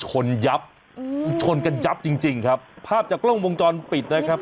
ยับอืมชนกันยับจริงจริงครับภาพจากกล้องวงจรปิดนะครับ